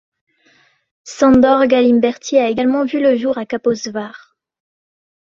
Sándor Galimberti a également vu le jour à Kaposvár.